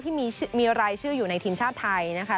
ที่มีรายชื่ออยู่ในทีมชาติไทยนะคะ